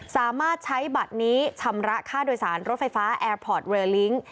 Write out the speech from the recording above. สามารถใช้บัตรนี้ชำระค่าโดยสารรถไฟฟ้าแอร์พอร์ตเรลิ้ง